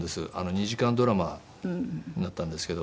２時間ドラマだったんですけど。